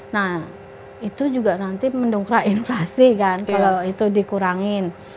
nah itu juga nanti mendongkrak inflasi kan kalau itu dikurangin